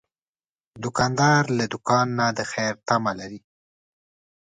دوکاندار له دوکان نه د خیر تمه لري.